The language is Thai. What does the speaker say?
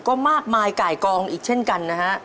ก็มากมายไก่กองอีกเช่นกันนะฮะ